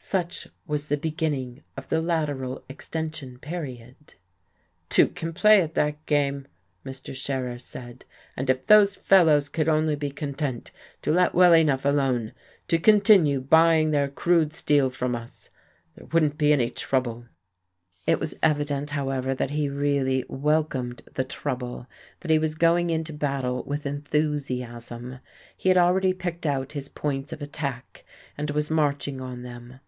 Such was the beginning of the "lateral extension" period. "Two can play at that game," Mr. Scherer said. "And if those fellows could only be content to let well enough alone, to continue buying their crude steel from us, there wouldn't be any trouble."... It was evident, however, that he really welcomed the "trouble," that he was going into battle with enthusiasm. He had already picked out his points of attack and was marching on them.